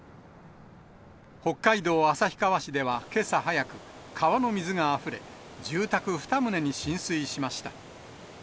北海道旭川市ではけさ早く、川の水があふれ、住宅２棟に浸水しました。